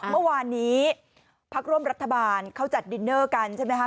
เมื่อวานนี้พักร่วมรัฐบาลเขาจัดดินเนอร์กันใช่ไหมคะ